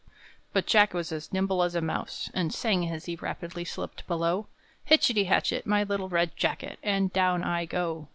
But Jack was as nimble as a mouse, And sang as he rapidly slipped below: "_Hitchity hatchet, my little red jacket, And down I go!